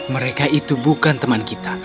mereka itu bukan teman kita